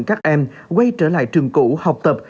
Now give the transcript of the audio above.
các em quay trở lại trường cũ học tập